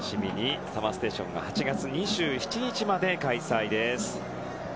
「ＳＵＭＭＥＲＳＴＡＴＩＯＮ」は８月２７日まで開催です。